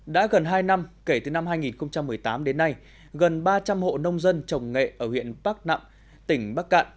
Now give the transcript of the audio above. đã gần hai năm kể từ năm hai nghìn một mươi tám đến nay gần ba trăm linh hộ nông dân trồng nghệ ở huyện bắc nặng tỉnh bắc cạn